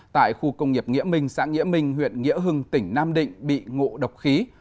tại khu công nghiệp nghĩa minh xã nghĩa minh huyện nghĩa hưng tỉnh nam định bị ngộ độc khí